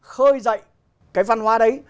khơi dậy cái văn hóa đấy